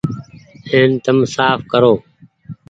اين تم ساڦ ڪرو۔